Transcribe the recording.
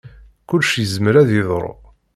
Kullec yezmer ad yeḍru.